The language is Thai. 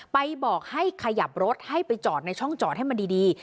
ไปบอกให้ขยับรถให้ไปจอดในช่องจอดให้มันดี